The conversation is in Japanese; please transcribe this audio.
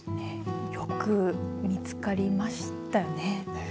よく見つかりましたよね。